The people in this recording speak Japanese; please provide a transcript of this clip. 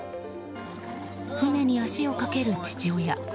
船に足をかける父親。